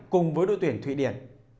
cùng với đội tuyển thụy điển